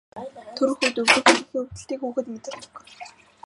Төрөх үед өвдөх эхийнхээ өвдөлтийг хүүхэд мэдэрдэг.